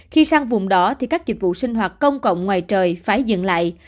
khi sang vùng đỏ thì các dịch vụ sinh hoạt công cộng ngoài trời phải dừng lại